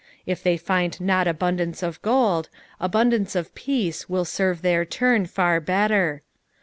If they find not abundance of gold, abundance of peace will serve their tiim far better.